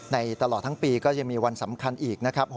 ตลอดทั้งปีก็ยังมีวันสำคัญอีกนะครับ